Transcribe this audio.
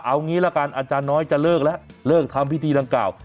เอางี้ละกันอาจารย์น้อยจะเลิกแล้วเลิกทำพิธีดังกล่าว